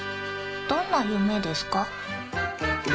どんなゆめですか？